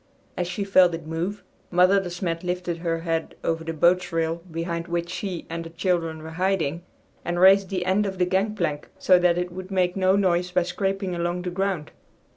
As she felt it move, Mother De Smet lifted her head over the boat's rail behind which she and the children were hiding, and raised the end of the gangplank so that it would make no noise by scraping along the ground.